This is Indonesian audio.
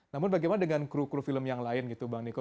namun bagaimana dengan kru kru film yang lain gitu bang niko